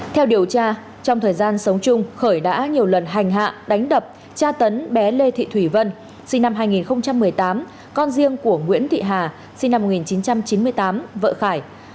theo điều tra trong thời gian sống chung khởi đã nhiều lần hành hạ đánh đập tra tấn bé lê thị thủy vân sinh năm hai nghìn một mươi tám con riêng của nguyễn thị hà sinh năm một nghìn chín trăm chín mươi tám vợ khải